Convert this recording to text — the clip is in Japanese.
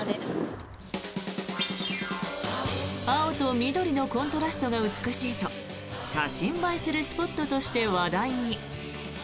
青と緑のコントラストが美しいと写真映えするスポットとして話題に。